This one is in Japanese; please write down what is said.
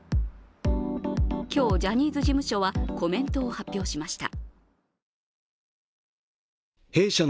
今日、ジャニーズ事務所はコメントを発表しました。